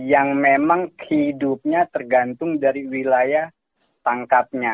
yang memang hidupnya tergantung dari wilayah tangkapnya